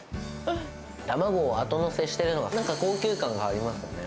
卵を後載せしてるのが、なんか高級感がありますね。